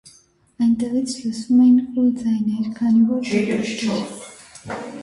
Այնտեղից լսվում էին խուլ ձայներ, քանի որ դատարկ էր։